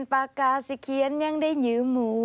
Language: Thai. ปากกาสิเคียนยังได้ยืมหมู